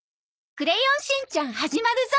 『クレヨンしんちゃん』始まるぞ。